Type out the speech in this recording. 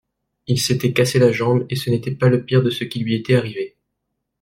Il s’était cassé la jambe et ce n’était pas le pire de ce qui lui été arrivé.